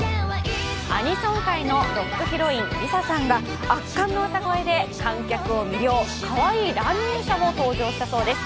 アニソン界のロックヒロイン、ＬｉＳＡさんが圧巻の歌声で観客を魅了、かわいい乱入者も登場したそうです。